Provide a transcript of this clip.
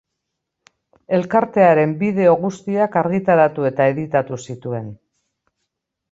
Elkartearen bideo guztiak argitaratu eta editatu zituen.